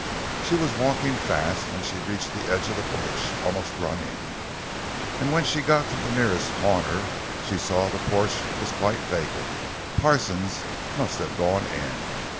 She was walking fast when she reached the edge of the porch—almost running; and when she got to the nearest corner, she saw that the porch was quite vacant; Parsons must have gone in.